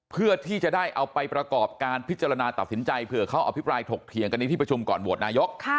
เพื่อที่จะได้เอาไปประกอบการพิจารณาตัดสินใจเผื่อเขาอภิปรายถกเถียงกันในที่ประชุมก่อนโหวตนายก